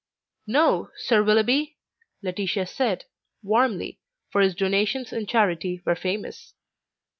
"No, Sir Willoughby!" Laetitia said, warmly, for his donations in charity were famous.